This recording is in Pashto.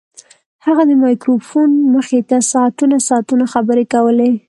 هغه د مایکروفون مخې ته ساعتونه ساعتونه خبرې کولې